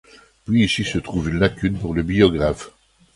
Puis ici se trouve une lacune pour le biographe.